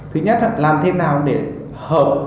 thứ nhất là làm thế nào để hợp